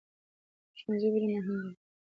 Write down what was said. ښوونځی ولې مهم دی؟